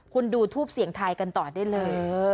คุณดูทูปเสียงทายกันต่อได้เลย